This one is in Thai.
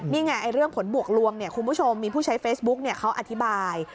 นี่ไงเรื่องผลบวกลวงคุณผู้ชมมีผู้ใช้เฟซบุ๊คเขาอธิบาย